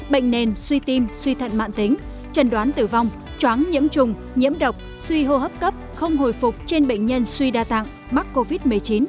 bệnh nền suy tim suy thận mạng tính trần đoán tử vong chóng nhiễm trùng nhiễm độc suy hô hấp cấp không hồi phục trên bệnh nhân suy đa tạng mắc covid một mươi chín